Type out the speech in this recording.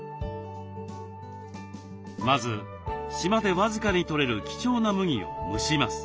まず島で僅かにとれる貴重な麦を蒸します。